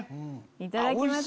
いただきます！